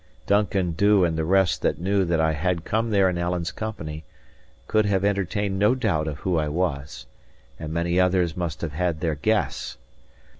Duncan Dhu and the rest that knew that I had come there in Alan's company, could have entertained no doubt of who I was; and many others must have had their guess.